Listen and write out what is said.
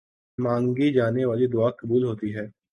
مانگی جانے والی دعا قبول ہوتی ہے۔